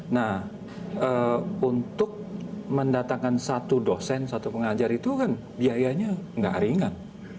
nah untuk mendatangkan satu dosen satu pengajar itu kan biayanya nggak ringan